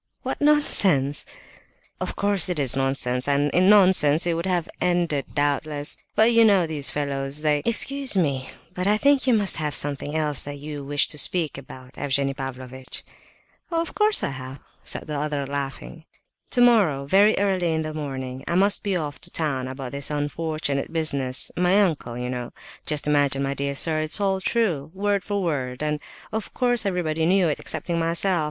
"What nonsense!" "Of course it is nonsense, and in nonsense it would have ended, doubtless; but you know these fellows, they—" "Excuse me, but I think you must have something else that you wished to speak about, Evgenie Pavlovitch?" "Of course, I have!" said the other, laughing. "You see, my dear fellow, tomorrow, very early in the morning, I must be off to town about this unfortunate business (my uncle, you know!). Just imagine, my dear sir, it is all true—word for word—and, of course, everybody knew it excepting myself.